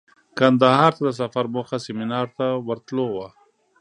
کندهار ته د سفر موخه سمینار ته ورتلو وه.